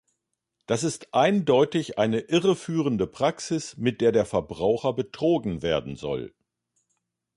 Das ist eindeutig eine irreführende Praxis, mit der der Verbraucher betrogen werden soll.